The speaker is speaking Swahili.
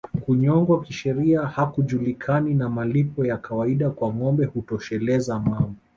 Kunyongwa kisheria hakujulikani na malipo ya kawaida kwa ngombe hutosheleza mambo